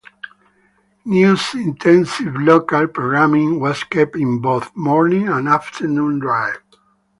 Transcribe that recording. News-intensive local programming was kept in both morning and afternoon drive.